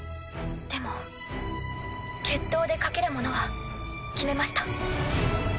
でも決闘で賭けるものは決めました。